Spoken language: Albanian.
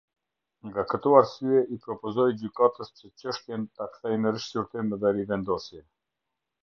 Nga këto arsye i propozoi gjykatës që çështjen ta kthejë në rishqyrtim dhe rivendosje.